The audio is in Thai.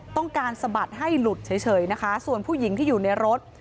สะบัดให้หลุดเฉยนะคะส่วนผู้หญิงที่อยู่ในรถ